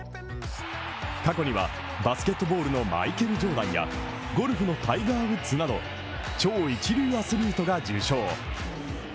過去にバスケットボールのマイケル・ジョーダンやゴルフのタイガー・ウッズなど、超一流アスリートが受賞。